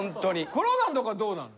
黒田んとこはどうなの？